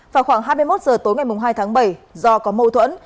vào khoảng hai mươi một h tối ngày hai tháng bảy do có mâu thuẫn